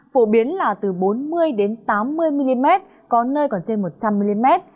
phổ biến là từ bốn mươi tám mươi mm có nơi còn trên một trăm linh mm